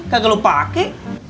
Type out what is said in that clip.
kagak lu pake